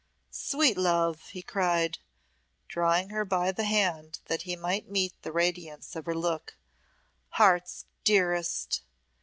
"Sweet love," he cried, drawing her by the hand that he might meet the radiance of her look "heart's dearest!"